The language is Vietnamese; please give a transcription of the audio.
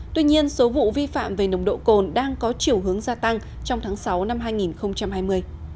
tuy nhiên số vụ vi phạm về nồng độ cồn đang có chiều hướng gia tăng trong tháng sáu năm hai nghìn hai mươi